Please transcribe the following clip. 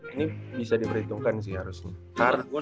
ini bisa diperhitungkan sih harusnya